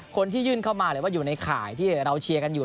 คนที่ยื่นเข้ามาหรือว่าอยู่ในข่ายที่เราเชียร์กันอยู่